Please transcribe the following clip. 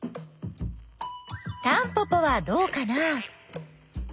タンポポはどうかな？